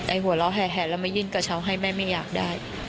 ไอ้หัวเราะแห่แห่แล้วมายินกระเชาะให้แม่ไม่อยากได้